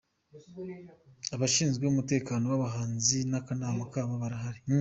Abashinzwe umutekano w’abahanzi n’akanama nabo barahari.